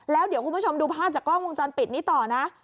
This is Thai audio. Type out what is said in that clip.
แล้วเดี๋ยวคุณผู้ชมดูภาพจากกล้องวงจรปิดนี้ต่อนะ